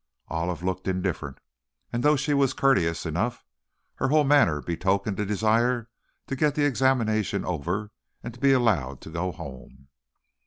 Olive looked indifferent, and though she was courteous enough, her whole manner betokened a desire to get the examination over and to be allowed to go home.